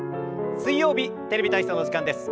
水曜日「テレビ体操」の時間です。